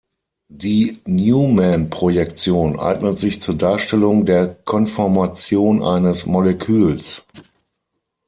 Die Newman-Projektion eignet sich zur Darstellung der Konformation eines Moleküls.